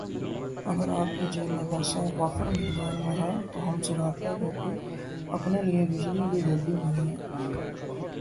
اگر آپ کی جیب میں پیسہ وافر مقدار میں ھے تو ہم سے رابطہ کرکے اپنی لئے بجلی کی گڈی منگوائیں